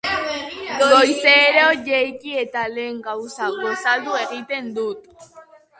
Goizero, jaiki eta lehen gauza, gosaldu egiten dut.